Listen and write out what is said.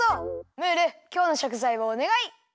ムールきょうのしょくざいをおねがい！